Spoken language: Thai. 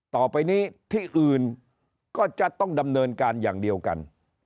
ต่อไปนี้ที่อื่นก็จะต้องดำเนินการอย่างเดียวกัน